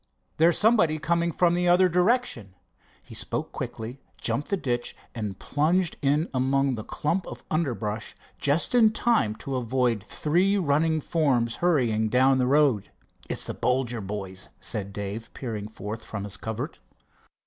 "There's somebody coming from the other direction." He spoke quickly, jumped the ditch, and plunged in among the clump of underbrush just in time to avoid three running forms hurrying down the road. "It's the Bolger boys," said Dave, peering forth from his covert.